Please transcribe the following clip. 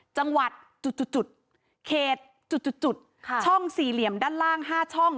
จังหวัดจุดเขตจุดช่องสี่เหลี่ยมด้านล่าง๕ช่อง